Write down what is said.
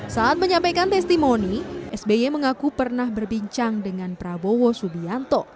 saat menyampaikan testimoni sby mengaku pernah berbincang dengan prabowo subianto